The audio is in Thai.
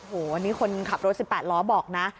โอ้โหอันนี้คนขับรถ๑๘ล้อบอกนะ